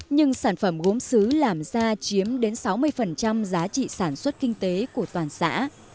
nhưng sản phẩm gốm xứ làm ra chiếm đến sáu mươi giá trị sản xuất kinh tế của toàn xã